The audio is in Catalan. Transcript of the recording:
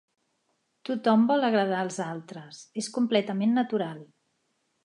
Tothom vol agradar als altres, és completament natural.